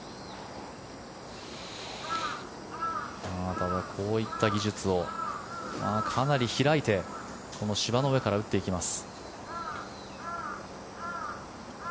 ただ、こういった技術をかなり開いてこの芝の上から打っていきます。